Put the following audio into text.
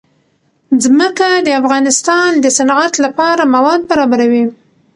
ځمکه د افغانستان د صنعت لپاره مواد برابروي.